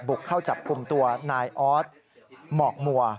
เข้าจับกลุ่มตัวนายออสหมอกมัว